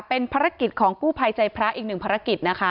เป็นภารกิจของกู้ภัยใจพระอีกหนึ่งภารกิจนะคะ